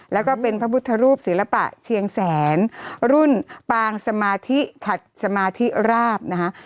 แล้วก็เป็นพระพุทธรูปศิลปะเชียงแสนรุ่นปางสมาธิผัดสมาธิราบนะคะ